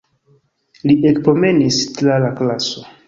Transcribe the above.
Li ekpromenis tra la klaso.